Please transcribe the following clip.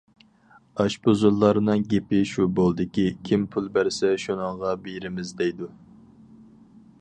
ئاشپۇزۇللارنىڭ گېپى شۇ بولدىكى« كىم پۇل بەرسە شۇنىڭغا بېرىمىز» دەيدۇ.